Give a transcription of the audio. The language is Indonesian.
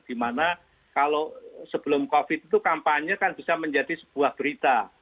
dimana kalau sebelum covid itu kampanye kan bisa menjadi sebuah berita